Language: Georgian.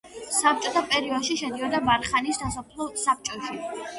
საბჭოთა პერიოდში შედიოდა ვარხანის სასოფლო საბჭოში.